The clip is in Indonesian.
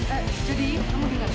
eh jadi kamu dikit